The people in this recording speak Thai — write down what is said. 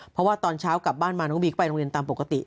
เพราะว่าตอนเช้ากลับบ้านมาน้องบิ๊กไปโรงเรียนตามปกติ